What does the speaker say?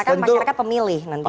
jadi masyarakat pemilih nantinya